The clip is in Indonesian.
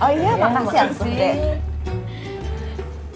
oh iya mak kasian sih